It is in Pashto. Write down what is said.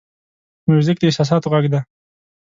موزیک د احساساتو غږ دی.